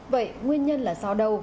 vậy nguyên nhân là sao đâu